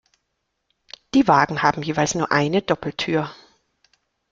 Die Wagen haben jeweils nur eine Doppeltür.